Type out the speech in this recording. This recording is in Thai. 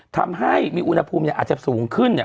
ทำให้มีอุณหภูมิเนี่ยอาจจะสูงขึ้นเนี่ย